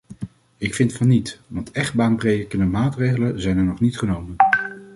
Ik vind van niet, want echt baanbrekende maatregelen zijn er nog niet genomen.